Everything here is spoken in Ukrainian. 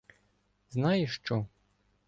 Знаєш що.